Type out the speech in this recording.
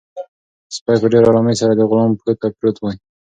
سپی په ډېر ارامۍ سره د غلام پښو ته پروت دی.